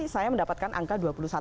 saya mendapatkan angka dua puluh satu